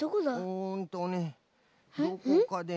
うんとねどこかでね。